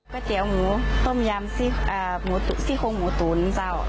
กระเตี๋ยวหมูต้มยำอ่าหมูตุ๋นสี่โครงหมูตุ๋นจ้าว